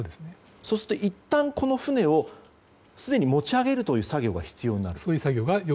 そうすると、いったんこの船を持ち上げるという作業が必要になると。